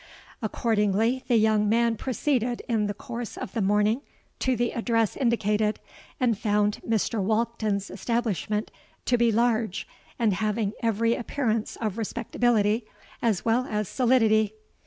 Accordingly, the young man proceeded in the course of the morning to the address indicated, and found Mr. Walkden's establishment to be large and having every appearance of respectability as well as solidity.